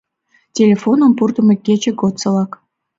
Телефоным пуртымо кече годсылак.